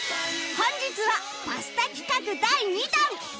本日はパスタ企画第２弾